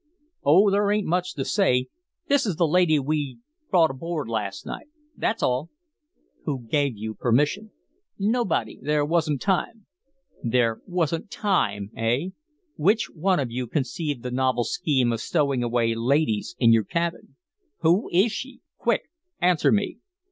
"Oh, there ain't much to say. This is the lady we brought aboard last night that's all." "Who gave you permission?" "Nobody. There wasn't time." "There wasn't TIME, eh? Which one of you conceived the novel scheme of stowing away ladies in your cabin? Whose is she? Quick! Answer me."